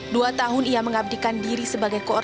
dua tahun ia mengabdikan diri sebagai korban